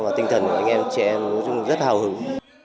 và tinh thần của anh em chị em rất là hào hứng